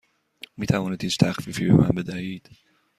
می توانید هیچ تخفیفی به من بدهید؟